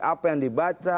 apa yang dibaca